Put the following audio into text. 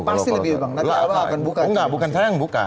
pasti lebih nanti allah akan buka